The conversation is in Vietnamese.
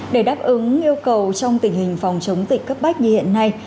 để đáp ứng yêu cầu trong tình hình phòng chống dịch cấp bách như hiện nay